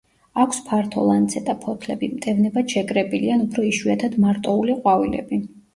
აქვს ფართო ლანცეტა ფოთლები, მტევნებად შეკრებილი ან უფრო იშვიათად მარტოული ყვავილები.